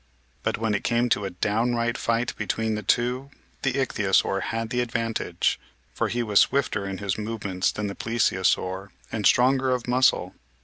But, when it came to a downright fight between the two, the Ichthyo saur had the advantage, for he was swifter in his movements than the Plesiosaur and stronger of muscle.